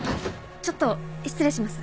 ちょっと失礼します。